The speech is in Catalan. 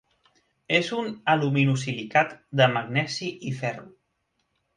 És un aluminosilicat de magnesi i ferro.